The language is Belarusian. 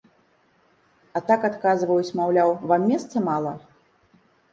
А так адказваюць, маўляў, вам месца мала?